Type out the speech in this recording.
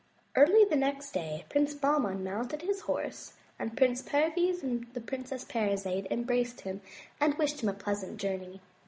Early the next day. Prince Bahman mounted his horse and Prince Perviz and the Princess Parizade embraced him and wished him a pleasant journey.